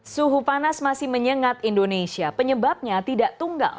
suhu panas masih menyengat indonesia penyebabnya tidak tunggal